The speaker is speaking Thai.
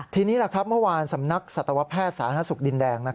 ทีนี้แหละครับเมื่อวานสำนักศาสตรวแพทย์สาธารณสุขดินแดง